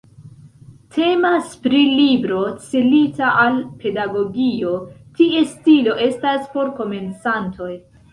Temas pri libro celita al pedagogio, ties stilo estas por komencantoj.